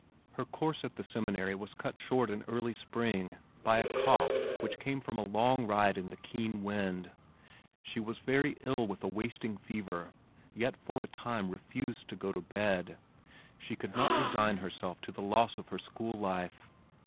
Her course at the Seminary was cut short in early spring by a cough which came from a long ride in the keen wind. She was very ill with a wasting fever, yet for a time refused to go to bed. She could not resign herself to the loss of her school life.